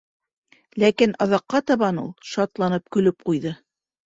Ләкин аҙаҡҡа табан ул, шатланып, көлөп ҡуйҙы.